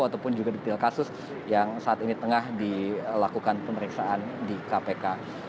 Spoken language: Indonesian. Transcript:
ataupun juga detail kasus yang saat ini tengah dilakukan pemeriksaan di kpk